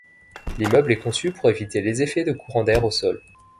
L'immeuble est conçu pour éviter les effets de courants d’air au sol.